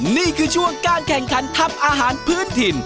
นี่คือช่วงการแข่งขันทำอาหารพื้นถิ่น